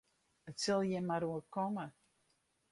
It sil jin mar oerkomme.